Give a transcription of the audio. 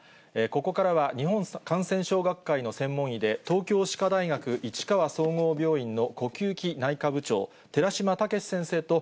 ここからは、日本感染症学会の専門医で、東京歯科大学市川総合病院の呼吸器内科部長、寺嶋毅先生と、